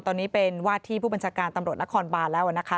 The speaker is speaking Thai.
ตอนนี้เป็นวาดที่ผู้บัญชาการตำรวจนครบานแล้วนะคะ